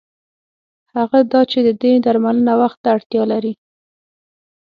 هغه دا چې د دې درملنه وخت ته اړتیا لري.